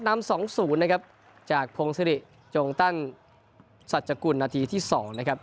นำสองศูนย์นะครับจากพงศิริจงตั้งสัจกุลนาทีที่๒นะครับ